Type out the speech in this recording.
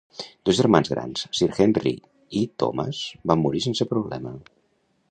Dos germans grans Sir Henry i Thomas van morir sense problema.